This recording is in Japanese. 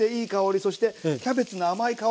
そしてキャベツの甘い香りもしますよ。